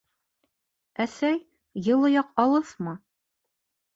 — Әсәй, йылы яҡ алыҫмы?